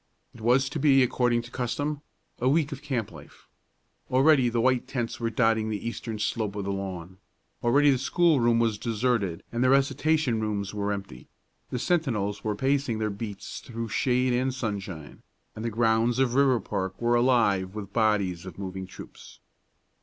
It was to be, according to custom, a week of camp life. Already the white tents were dotting the eastern slope of the lawn; already the schoolroom was deserted and the recitation rooms were empty; the sentinels were pacing their beats through shade and sunshine, and the grounds of Riverpark were alive with bodies of moving troops.